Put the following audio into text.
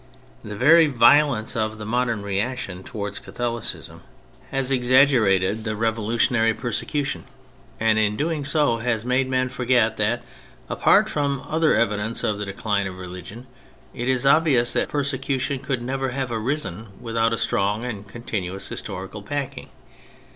" The very violence of the modern reaction towards Catholicism has exaggerated the re THE CATHOLIC CHURCH 229 volutionary persecution, and in doing so has made men forget that apart from other evidence of the decHne of rehgion, it is obvious that persecution could never have arisen without a strong and continuous historical backing.